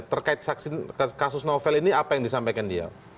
terkait saksi kasus novel ini apa yang disampaikan dia